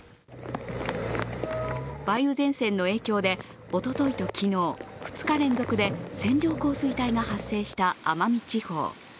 梅雨前線の影響で、おとといと昨日、２日連続で線状降水帯が発生した奄美地方。